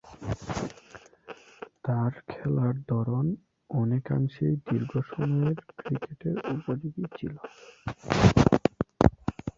তার খেলার ধরন অনেকাংশেই দীর্ঘ সময়ের ক্রিকেটের উপযোগী ছিল।